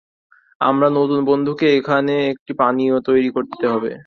আমার নতুন বন্ধুকে এখানে একটি পানীয় তৈরি করতে হবে।